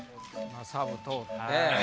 サブ通って。